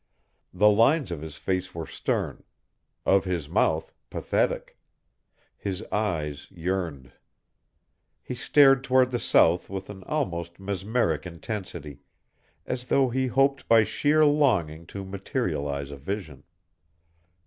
The lines of his face were stern, of his mouth pathetic; his eyes yearned. He stared toward the south with an almost mesmeric intensity, as though he hoped by sheer longing to materialize a vision.